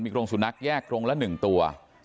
กรงสุนัขแยกกรงละ๑ตัว